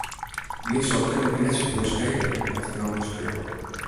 Meastal kin it my net safolle skele wat de kranten skriuwe.